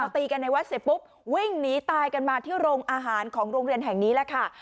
ตีกันในวัดเสร็จปุ๊บวิ่งหนีตายกันมาที่โรงอาหารของโรงเรียนแห่งนี้แหละค่ะ